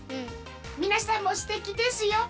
みなさんもすてきですよ。